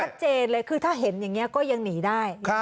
ชัดเจนเลยคือถ้าเห็นอย่างนี้ก็ยังหนีได้